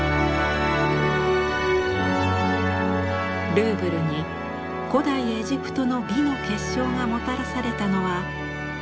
ルーブルに古代エジプトの美の結晶がもたらされたのは１９世紀。